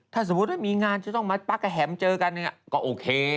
ถ้าสมมุติว่ามีงานจะต้องมาปั๊กกระแหมเจอกันก็โอเค